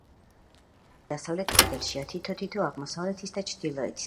ორი სარკმელი დასავლეთ კედელშია, თითო-თითო აღმოსავლეთის და ჩრდილოეთისაში.